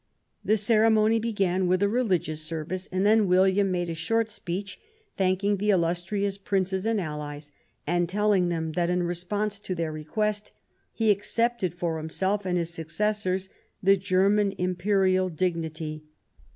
The ceremony began with a religious service ; and then William made a short speech, thanking the " illustrious Princes and Allies," and telling them that, in response to their request, he accepted for himself and his successors the German Imperial dignity.